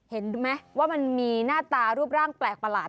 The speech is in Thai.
เห็นไหมว่ามันมีหน้าตารูปร่างแปลกประหลาด